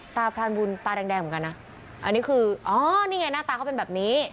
พรานบุญตาแดงเหมือนกันนะอันนี้คืออ๋อนี่ไงหน้าตาเขาเป็นแบบนี้